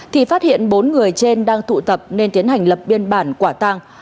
thì phát hiện bốn người trên đang tụ tập nên tiến hành lập biên bản quả tang